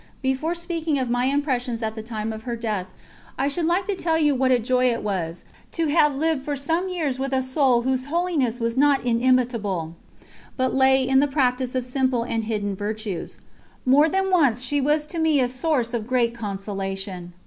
Before speaking of my impressions at the time of her death, I should like to tell you what a joy it was to have lived for some years with a soul whose holiness was not inimitable, but lay in the practice of simple and hidden virtues. More than once she was to me a source of great consolation.